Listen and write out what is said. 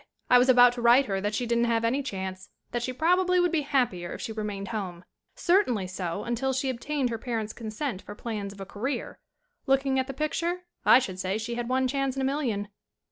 "I was about to write her that she didn't have any chance; that she probably would be happier if she re mained home; certainly so until she obtained her parents' consent for plans of a career. Looking at the picture I should say she had one chance in a million."